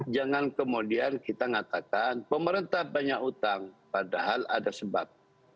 jangan kemudian kita ngatakan pemerintah banyak utang padahal ada sebab